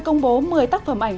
công bố một mươi tác phẩm ảnh